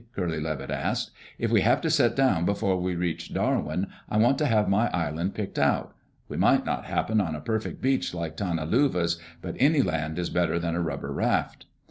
Curly Levitt asked. "If we have to set down before we reach Darwin, I want to have my island picked out. We might not happen on a perfect beach like Tana Luva's, but any land is better than a rubber raft."